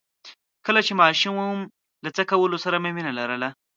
کله چې ماشوم وم له څه کولو سره مې مينه لرله؟